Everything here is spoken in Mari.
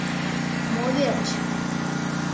— Мо верч?